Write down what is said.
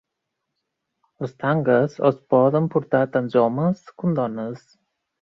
Els tangues els poden portar tant homes com dones.